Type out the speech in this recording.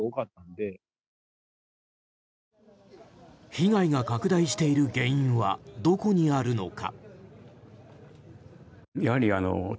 被害が拡大している原因はどこにあるのか。